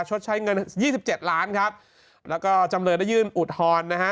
ชดใช้เงิน๒๗ล้านครับแล้วก็จำเลยได้ยื่นอุดฮรนะฮะ